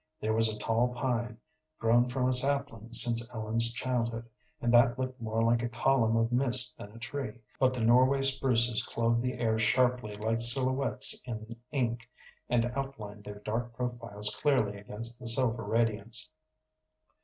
There was a tall pine, grown from a sapling since Ellen's childhood, and that looked more like a column of mist than a tree, but the Norway spruces clove the air sharply like silhouettes in ink, and outlined their dark profiles clearly against the silver radiance.